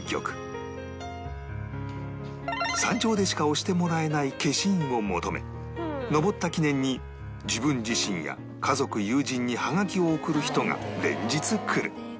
山頂でしか押してもらえない消印を求め登った記念に自分自身や家族友人にはがきを送る人が連日来る